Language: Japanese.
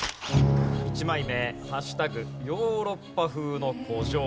１枚目＃ヨーロッパ風の古城。